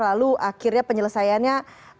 lalu akhirnya penyelesaiannya